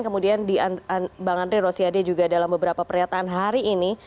kemudian bang andre rosiade juga dalam beberapa pernyataan hari ini